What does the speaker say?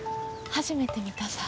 初めて見たさ。